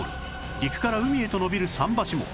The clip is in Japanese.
陸から海へと延びる桟橋も